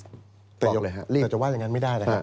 แต่จะว่ายังงั้นไม่ได้นะครับ